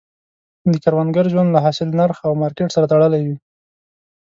د کروندګر ژوند له حاصل، نرخ او مارکیټ سره تړلی وي.